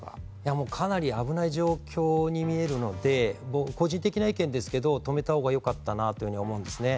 もうかなり危ない状況に見えるので個人的な意見ですけど止めた方がよかったなというふうに思うんですね。